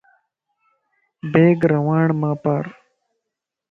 بيگ رَواڙماپار